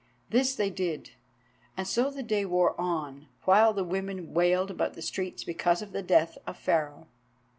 This they did, and so the day wore on, while the women wailed about the streets because of the death of Pharaoh.